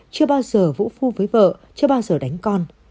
chưa bao giờ vũ phu với vợ chưa bao giờ đánh con